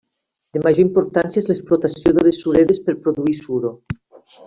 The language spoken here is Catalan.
De major importància és l'explotació de les suredes per produir suro.